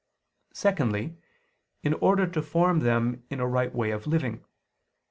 Secondly, in order to form them to a right way of living.